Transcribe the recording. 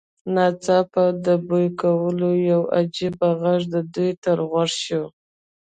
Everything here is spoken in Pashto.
ناڅاپه د بوی کولو یو عجیب غږ د دوی تر غوږ شو